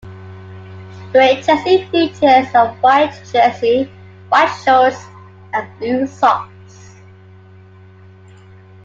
The away jersey features a white jersey, white shorts, and blue socks.